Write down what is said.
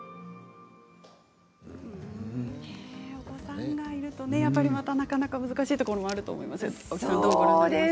お子さんがいるとなかなか難しいところもあると思いますよね。